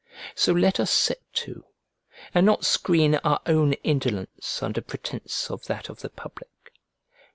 So let us set to and not screen our own indolence under pretence of that of the public.